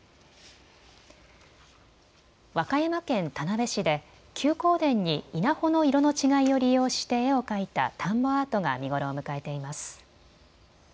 和歌山県田辺市で休耕田に稲穂の色の違いを利用して絵を描いた田んぼアートが見頃を迎えています。